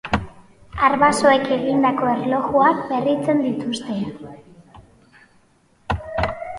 Arbasoek egindako erlojuak berritzen dituzte.